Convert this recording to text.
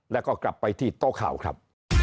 แล้วก็กลับไปที่โต๊ะข่าวครับ